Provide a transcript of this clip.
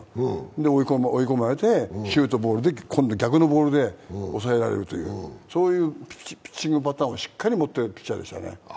で、追い込まれてシュートボールで今度は逆のボールで抑えられるというそういうピッチングパターンをしっかり持っているピッチャーでしたね。